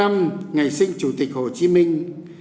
năm việt nam thực hiện vai trò chủ tịch hồ chí minh